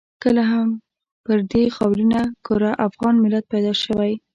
کله هم پر دې خاورینه کره افغان ملت پیدا شوی.